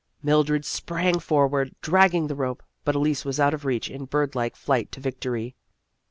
Mildred sprang forward, dragging the rope, but Elise was out of reach in bird like flight to victory.